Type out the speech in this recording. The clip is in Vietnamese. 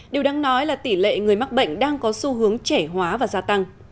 điều đáng nói là tỷ lệ người mắc bệnh đang có xu hướng trẻ hóa và gia tăng